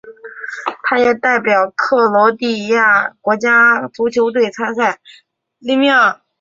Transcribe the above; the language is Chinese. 他也代表克罗地亚国家足球队参赛。